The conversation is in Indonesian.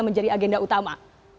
bisa jadi agenda utama